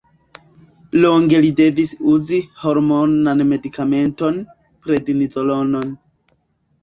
Longe li devis uzi hormonan medikamenton: prednizolonon.